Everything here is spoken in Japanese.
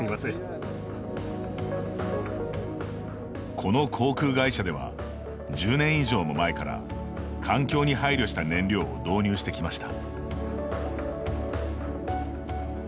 この航空会社では１０年以上も前から環境に配慮した燃料を導入してきました。